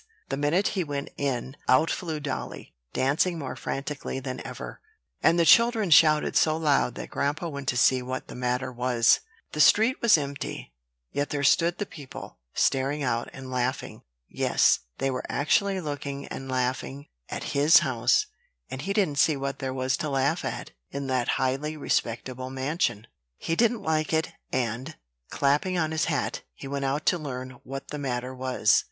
The minute he went in out flew dolly, dancing more frantically than ever; and the children shouted so loud that grandpa went to see what the matter was. The street was empty; yet there stood the people, staring out and laughing. Yes; they were actually looking and laughing at his house; and he didn't see what there was to laugh at in that highly respectable mansion. He didn't like it; and, clapping on his hat, he went out to learn what the matter was.